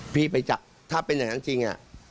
พี่ไปจับถ้าเป็นอย่างนั้นจริง